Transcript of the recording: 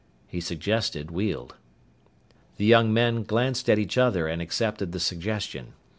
He suggested Weald. The young men glanced at each other and accepted the suggestion.